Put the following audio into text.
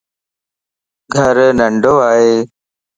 گھر ننڍو ائي